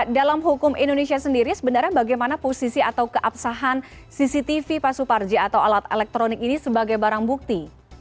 dalam hukum indonesia sendiri sebenarnya bagaimana posisi atau keabsahan cctv pak suparji atau alat elektronik ini sebagai barang bukti